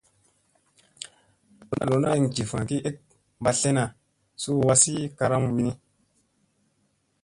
Lona ɓeŋ jiffa ki ek ɓa slena suu wazi karam wini.